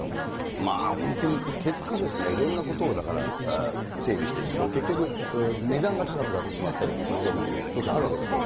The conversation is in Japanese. まあ、本当に結果、いろんなことを、だから整備していくと、結局、値段が高くなってしまったりっていうこともあるわけですからね。